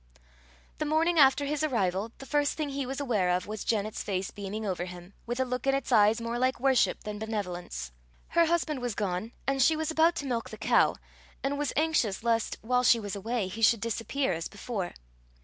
The morning after his arrival, the first thing he was aware of was Janet's face beaming over him, with a look in its eyes more like worship then benevolence. Her husband was gone, and she was about to milk the cow, and was anxious lest, while she was away, he should disappear as before.